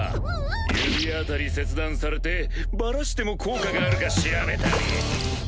指あたり切断されてバラしても効果があるか調べたり。